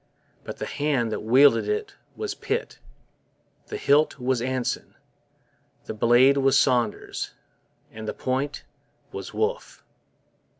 But the hand that wielded it was Pitt; the hilt was Anson, the blade was Saunders, and the point was Wolfe.